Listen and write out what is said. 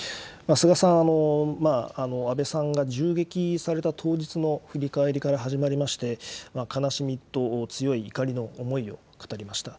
菅さん、安倍さんが銃撃された当日の振り返りから始まりまして、悲しみと強い怒りの思いを語りました。